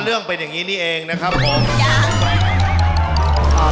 เรื่องเป็นอย่างนี้นี่เองนะครับผมยังอ่า